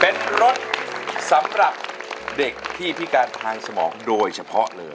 เป็นรถสำหรับเด็กที่พิการทางสมองโดยเฉพาะเลย